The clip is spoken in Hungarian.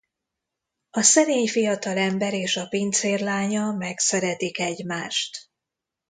A szerény fiatalember és a pincér lánya megszeretik egymást.